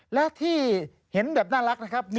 และที่เห็นแบบน่ารักนะครับ